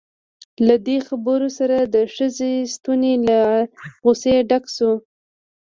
له دې خبرو سره د ښځې ستونی له غصې ډک شو.